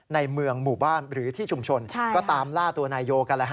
ในเมืองหมู่บ้านหรือที่ชุมชนก็ตามล่าตัวนายโยกัน